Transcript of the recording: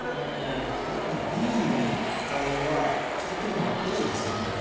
あれっこれＢの１階は聞いてるのはＡですよね。